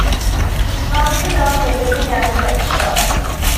He currently earns a living as a lecturer.